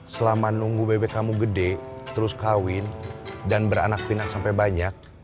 selama nunggu bebek kamu gede terus kawin dan beranak pinang sampai banyak